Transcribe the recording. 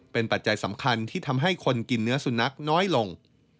เป็นปัจจัยสำคัญที่ทำให้คนกินเนื้อสุนัขน้อยลง